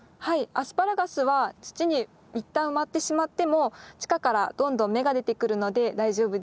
アスパラガスは土に一旦埋まってしまっても地下からどんどん芽が出てくるので大丈夫です。